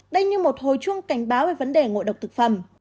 đây như một hồi chuông cảnh báo về vấn đề ngộ độc thực phẩm